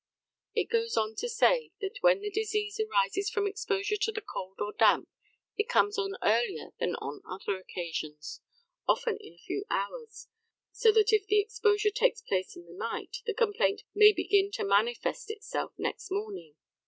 He goes on to say that when the disease arises from exposure to the cold or damp it comes on earlier than on other occasions often in a few hours so that if the exposure takes place in the night, the complaint may begin to manifest itself next morning.